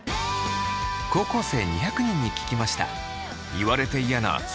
高校生２００人に聞きました。